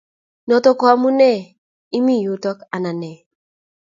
Not ko amunee imii yutok ,anan nee?